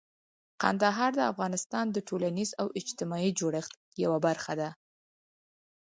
کندهار د افغانستان د ټولنیز او اجتماعي جوړښت یوه برخه ده.